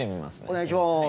お願いします。